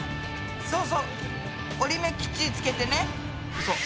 そうそう折り目きっちりつけてね。